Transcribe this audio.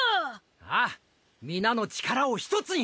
あぁ皆の力を一つに。